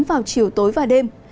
vào chiều tối và đêm